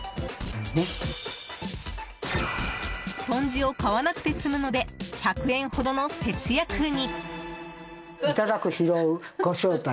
スポンジを買わなくて済むので１００円ほどの節約に。